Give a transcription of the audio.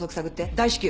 大至急。